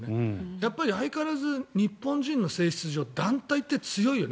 やっぱり相変わらず日本人の性質上団体って強いよね。